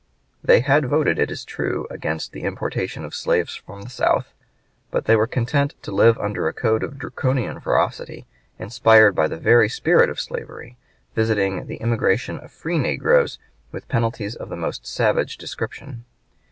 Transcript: They had voted, it is true, against the importation of slaves from the South, but they were content to live under a code of Draconian ferocity, inspired by the very spirit of slavery, visiting the immigration of free negroes with penalties of the most savage description.